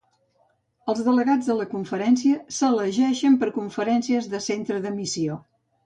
Els delegats de la conferència s'elegeixen per conferències de Centre de Missió.